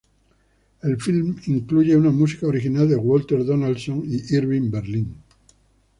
El film incluye una música original de Walter Donaldson y Irving Berlin.